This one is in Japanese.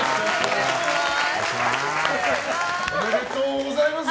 おめでとうございます。